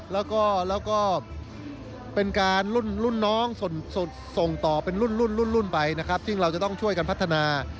แล้วก็เป็นการรุ่นน้องส่งต่อเป็นรุ่นรุ่นไปนะครับซึ่งเราจะต้องช่วยกันพัฒนา